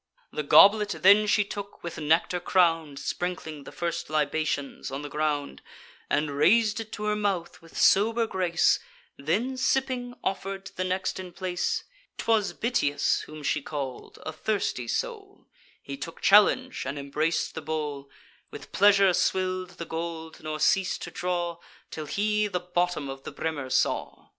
The goblet then she took, with nectar crown'd (Sprinkling the first libations on the ground,) And rais'd it to her mouth with sober grace; Then, sipping, offer'd to the next in place. 'Twas Bitias whom she call'd, a thirsty soul; He took the challenge, and embrac'd the bowl, With pleasure swill'd the gold, nor ceas'd to draw, Till he the bottom of the brimmer saw.